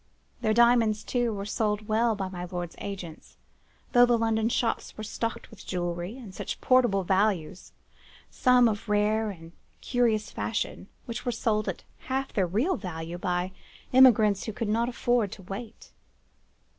Their diamonds, too, were sold well by my lord's agents, though the London shops were stocked with jewellery, and such portable valuables, some of rare and curious fashion, which were sold for half their real value by emigrants who could not afford to wait.